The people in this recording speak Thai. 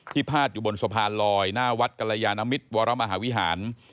พาดอยู่บนสะพานลอยหน้าวัดกรยานมิตรวรมหาวิหาร